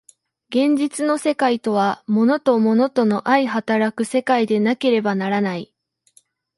現実の世界とは物と物との相働く世界でなければならない。